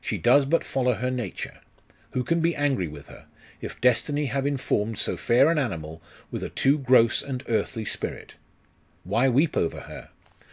She does but follow her nature; who can be angry with her, if destiny have informed so fair an animal with a too gross and earthly spirit? Why weep over her?